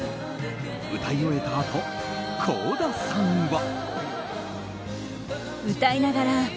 歌い終えたあと、倖田さんは。